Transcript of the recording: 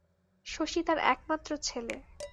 শশী তার একমাত্র ছেলে।